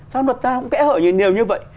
sao luật ta không kế hợp nhiều như vậy